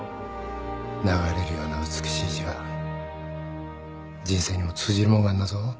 流れるような美しい字は人生にも通じるもんがあんだぞ